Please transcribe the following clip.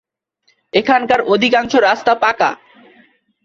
এখানকার অধিকাংশ রাস্তা পাঁকা।